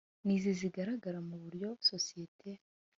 n izi zigaragara mu buryo sosiyete